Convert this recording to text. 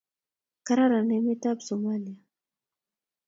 kararan emet ab Somalia